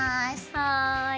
はい。